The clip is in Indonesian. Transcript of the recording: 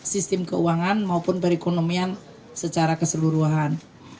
sistem keuangan maupun perekonomian secara keseluruhan